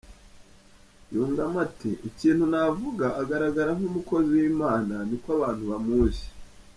Yungamo ati “Ikintu navuga agaragara nk’umukozi w’Imana niko abantu bamuzi.